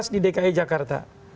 di dki jakarta